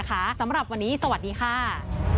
ในพิกัดเฮงนะคะสำหรับวันนี้สวัสดีค่ะ